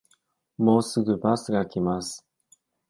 もうすぐバスが来ます